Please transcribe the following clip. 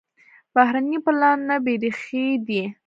بهرني پلانونه بېریښې دي.